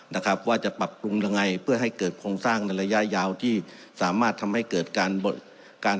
นะครับว่าจะปรับปรุงยังไงเพื่อให้เกิดโครงสร้างในระยะยาวที่สามารถทำให้เกิดการการ